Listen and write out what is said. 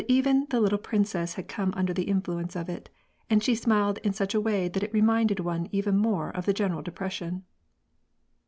en the little princess had come under the influence of it, tod she smiled in such a way that it reminded one even more of the general depression.